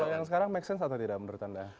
kalau yang sekarang make sense atau tidak menurut anda